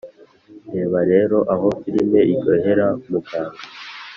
reba rero aho filme iryohera muganga